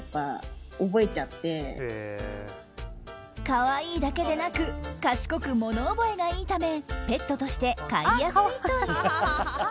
可愛いだけでなく賢く、物覚えがいいためペットとして飼いやすいという。